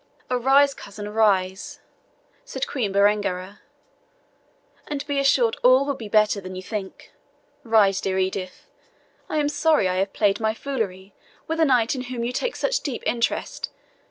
"Arise, cousin, arise," said Queen Berengaria, "and be assured all will be better than you think. Rise, dear Edith. I am sorry I have played my foolery with a knight in whom you take such deep interest.